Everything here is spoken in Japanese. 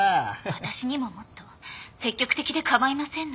私にももっと積極的で構いませんのに。